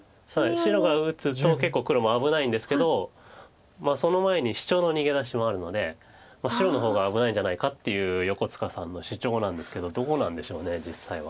白が打つと結構黒も危ないんですけどその前にシチョウの逃げ出しもあるので白の方が危ないんじゃないかっていう横塚さんの主張なんですけどどうなんでしょう実際は。